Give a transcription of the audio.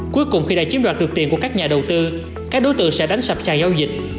cuối cùng khi đã chiếm đoạt được tiền của các nhà đầu tư các đối tượng sẽ đánh sập sàn giao dịch